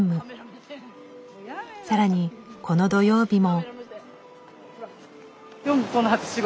更にこの土曜日も。